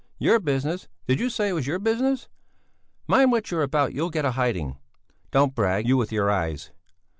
"Your business? Did you say it was your business? Mind what you're about or you'll get a hiding." "Don't brag! You with your eyes!"